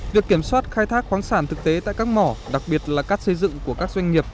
việc kiểm soát khai thác khoáng sản thực tế tại các mỏ đặc biệt là cát xây dựng của các doanh nghiệp